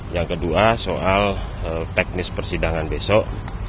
yang kedua soal teknis persidangan besok